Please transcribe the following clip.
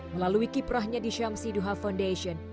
melalui kiprahnya di syamsiduha foundation